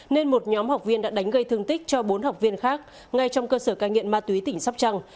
nên một nhóm học viên đã đánh gây thương tích cho bốn học viên khác ngay trong cơ sở cai nghiện ma túy tỉnh sóc trăng